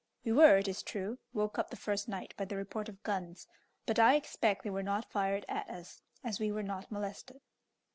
We were, it is true, woke up the first night by the report of guns; but I expect they were not fired at us, as we were not molested.